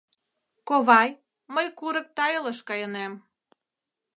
— Ковай, мый курык тайылыш кайынем.